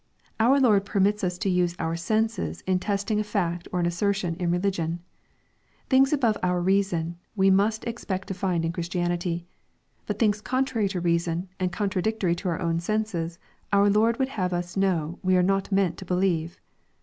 Our Lord permits us to use our senses in testing a fact or an assertion in religion. Things ahove our reason we must expect to find in Christianity. But things contrary to reason, and contradictory to our own senses^ our Lord would have us know, we are not meant to believe.